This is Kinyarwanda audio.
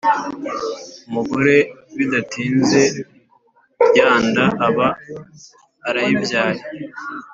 Umugore bidatinze yanda aba arayibyaye